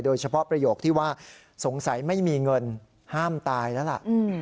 ประโยคที่ว่าสงสัยไม่มีเงินห้ามตายแล้วล่ะ